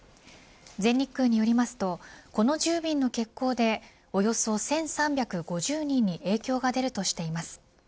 全日空によりますとこの１０便の欠航でおよそ１３５０人に影響が出るとしています。